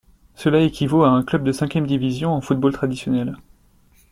Cela équivaut à un club de cinquième division en football traditionnel.